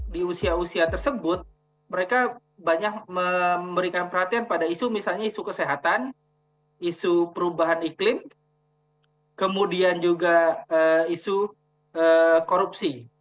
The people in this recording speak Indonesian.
di usia usia tersebut mereka banyak memberikan perhatian pada isu misalnya isu kesehatan isu perubahan iklim kemudian juga isu korupsi